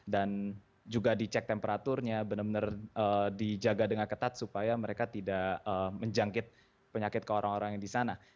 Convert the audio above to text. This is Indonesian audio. dan juga dicek temperaturnya benar benar dijaga dengan ketat supaya mereka tidak menjangkit penyakit ke orang orang yang di sana